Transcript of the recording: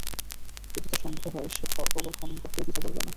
যদি তার সন্দেহ হয়, সে কবর খনন করতেও দ্বিধা করবে না।